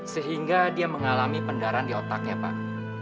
sehingga dia mengalami pendaran di otaknya pak